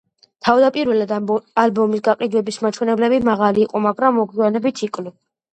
თავდაპირველად ალბომის გაყიდვების მაჩვენებლები მაღალი იყო, მაგრამ მოგვიანებით იკლო.